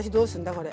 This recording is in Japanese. これ。